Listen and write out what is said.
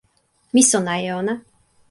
mi sona e ona.